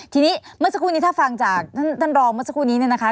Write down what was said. ทีนี้เมื่อสักครู่นี้ถ้าฟังจากท่านรองเมื่อสักครู่นี้เนี่ยนะคะ